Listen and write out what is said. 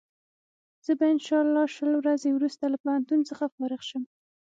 زه به انشا الله شل ورځې وروسته له پوهنتون څخه فارغ شم.